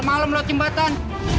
malem lo timbatan